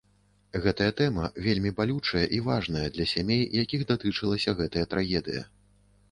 Гэтая тэма вельмі балючая і важная для сямей, якіх датычылася гэтая трагедыя.